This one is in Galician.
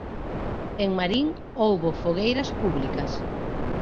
En Marín houbo fogueiras públicas.